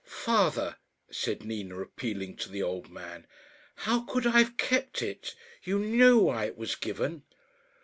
"Father," said Nina, appealing to the old man, "how could I have kept it? You knew why it was given."